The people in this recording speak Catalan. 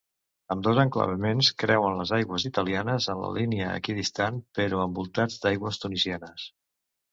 Ambdós enclavaments creuen les aigües italianes en la línia equidistant però envoltats d'aigües tunisianes.